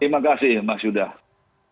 terima kasih mas yudha